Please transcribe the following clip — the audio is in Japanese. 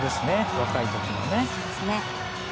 若い時のね。